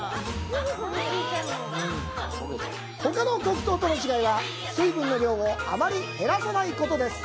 ほかの黒糖との違いは、水分の量をあまり減らさないことです。